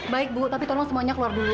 baik bu tapi tolong semuanya keluar dulu